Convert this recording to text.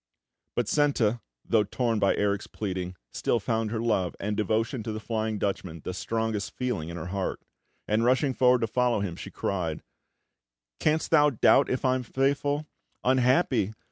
But Senta, though torn by Erik's pleading, still found her love and devotion to the Flying Dutchman the strongest feeling in her heart; and, rushing forward to follow him, she cried: "Canst thou doubt if I am faithful? Unhappy!